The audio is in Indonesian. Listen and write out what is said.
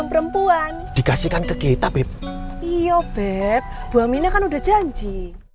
perempuan dikasihkan ke kita beb iyo beb buah minah kan udah janji